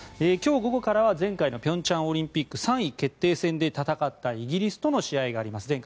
今日午後からは前回の平昌オリンピック３位決定戦で戦ったイギリスとの試合があります。